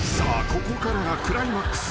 ここからがクライマックス］